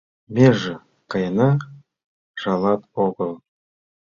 Меже каена — жалат огыл